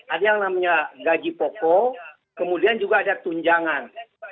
ada yang namanya gaji pokok kemudian juga ada tunjangan